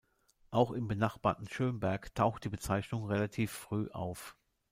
Auch im benachbarten Schömberg taucht die Bezeichnung relativ früh auf.